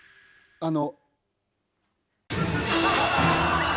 あの。